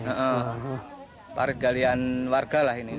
nah park galian warga lah ini